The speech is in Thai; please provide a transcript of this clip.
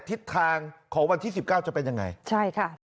ทิศของวันที่๑๙จะเป็นยังไง